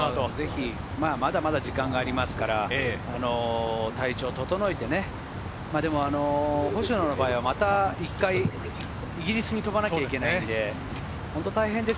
まだまだ時間がありますから、体調を整えて、星野はまた一回イギリスに飛ばなきゃいけないので大変です。